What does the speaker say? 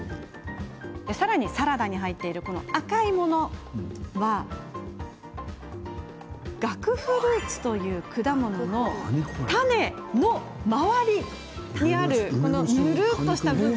さらに、このサラダに入っている赤いものはガクフルーツという果物の種の周りの部分。